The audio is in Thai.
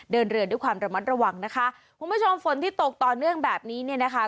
เดินเรือด้วยความระมัดระวังนะคะคุณผู้ชมฝนที่ตกต่อเนื่องแบบนี้เนี่ยนะคะ